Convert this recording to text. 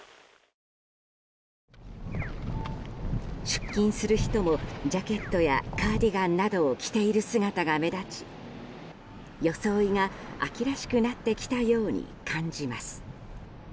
出勤する人も、ジャケットやカーディガンなどを着ている姿が目立ち装いが秋らしくなってきたように感じます。